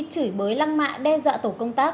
chửi bới lăng mại đe dọa tổ công tác